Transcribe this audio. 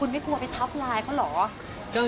มีทัพลายเขาเหรอ